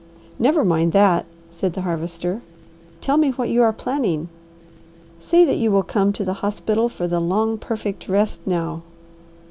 "Never mind that," said the Harvester. "Tell me what you are planning. Say that you will come to the hospital for the long, perfect rest now."